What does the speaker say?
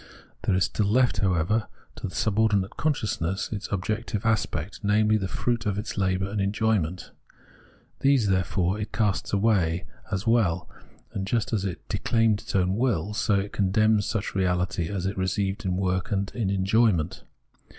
There is still left, however, to the sub ordinate consciousness, its objective aspect, namely, the fruit of its labour, and enjoyment. These, there fore, it casts away as well, and just as it disclaimed its own will, so it contemns such reahty as it received in work and in enjoyment.